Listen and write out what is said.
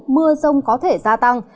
mưa rông có thể gia tăng